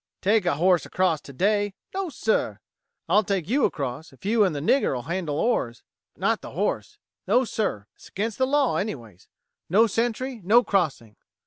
"Take a horse across today? No, sir! I'll take you across if you and the nigger'll handle oars, but not the horse! No, sir! It's against the law, anyways. No Sentry, no crossing.